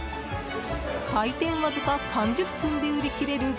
開店わずか３０分で売り切れる